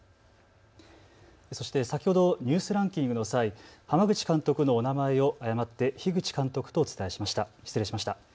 そして先ほどニュースランキングの際、濱口監督のお名前を誤ってひぐち監督とお伝えしました。